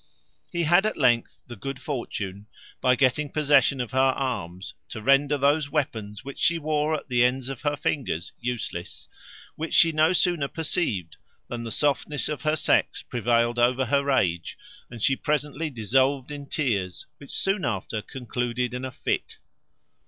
He had, at length, the good fortune, by getting possession of her arms, to render those weapons which she wore at the ends of her fingers useless; which she no sooner perceived, than the softness of her sex prevailed over her rage, and she presently dissolved in tears, which soon after concluded in a fit.